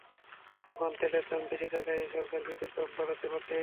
তখন তেলের দাম বেশি থাকায় সরকার বিদ্যুতের দাম বাড়াতে বাধ্য হয়েছিল।